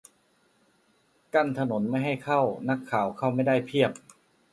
กั้นถนนไม่ให้เข้า นักข่าวเข้าไม่ได้เพียบ !